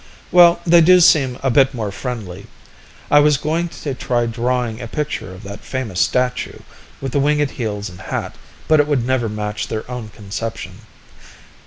"Well, they do seem a bit more friendly. I was going to try drawing a picture of that famous statue, with the winged heels and hat, but it would never match their own conception.